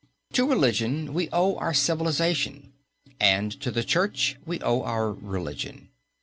To religion we owe our civilization and to the Church we owe our religion.